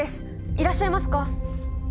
いらっしゃいますか？